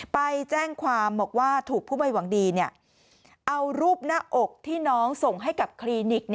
ไปแจ้งความบอกว่าถูกผู้ไม่หวังดีเอารูปหน้าอกที่น้องส่งให้กับคลินิก